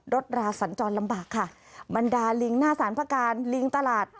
ราสันจรลำบากค่ะบรรดาลิงหน้าสารพระการลิงตลาด